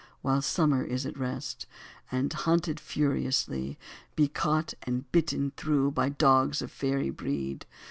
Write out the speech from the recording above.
While summer is at rest. And, hunted furiously. Be caught and bitten through By dogs of faery breed.